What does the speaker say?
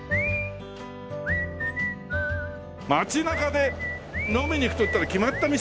街中で飲みに行くといったら決まった店でしょ？